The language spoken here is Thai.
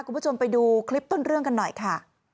คุณผู้ชมไปดูคลิปต้นเรื่องกันหน่อยค่ะ